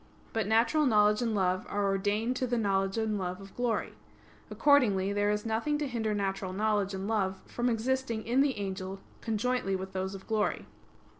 But natural knowledge and love are ordained to the knowledge and love of glory. Accordingly there is nothing to hinder natural knowledge and love from existing in the angel conjointly with those of glory.